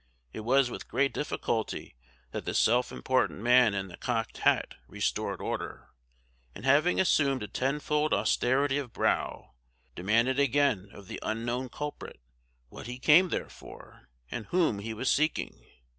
It was with great difficulty that the self important man in the cocked hat restored order; and having assumed a tenfold austerity of brow, demanded again of the unknown culprit, what he came there for, and whom he was seeking.